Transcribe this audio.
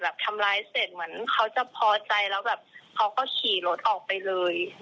ทำร้ายเสร็จเหมือนเขาจะพอใจแล้วแบบเขาก็ขี่รถออกไปเลย